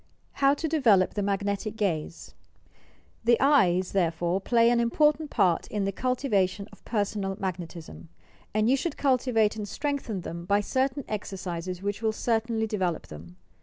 BOW TO DEVELOP THE UAONETIC GAZE thd thel The eyes, therefore, play an important part in the cultivation of Personal Magnetism, and you should cul tivate and strengthen them by certain exercises wbieti will certainly develop them.